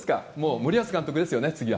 森保監督ですよね、次は。